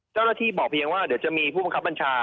เจ้าหน้าที่บอกเพียงว่าเดี๋ยวจะมีผู้บังคับบัญชา